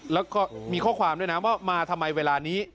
แล้วก็มีข้อความด้วยนะว่ามาทำไมเวลานี้